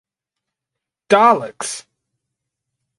Daleks!